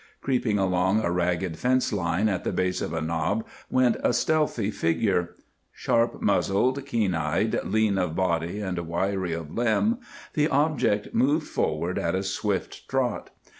Creeping along a ragged fence line at the base of a knob went a stealthy figure. Sharp muzzled, keen eyed, lean of body and wiry of limb, the object moved forward at a swift trot.